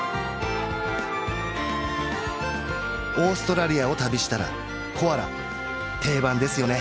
オーストラリアを旅したらコアラ定番ですよね